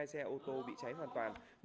một mươi hai xe ô tô bị cháy hoàn toàn